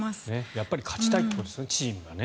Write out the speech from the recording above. やっぱり勝ちたいということですねチームがね。